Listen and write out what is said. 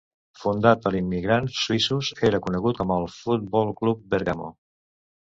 Fundat per immigrants suïssos, era conegut com el "Foot Ball Club Bergamo".